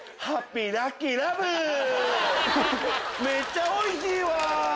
めっちゃおいしいわ！